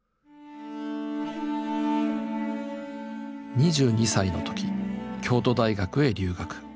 ２２歳の時京都大学へ留学。